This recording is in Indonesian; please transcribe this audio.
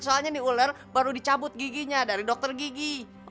soalnya ini ular baru dicabut giginya dari dokter gigi